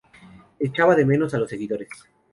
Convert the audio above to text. Echaba de menos a los seguidores.